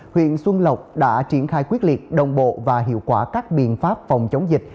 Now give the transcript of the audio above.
huyện xuân lộc đã triển khai quyết liệt đồng bộ và hiệu quả các biện pháp phòng chống dịch